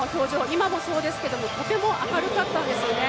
今もそうですけどもとても明るかったんですよね。